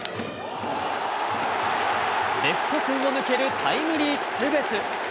レフト線を抜けるタイムリーツーベース。